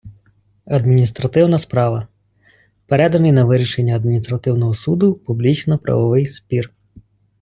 адміністративна справа - переданий на вирішення адміністративного суду публічно-правовий спір